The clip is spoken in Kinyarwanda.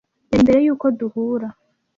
yari mbere yuko duhura